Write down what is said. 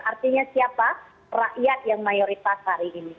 artinya siapa rakyat yang mayoritas hari ini